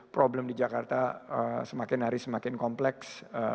problem di jakarta semakin hari semakin kompleks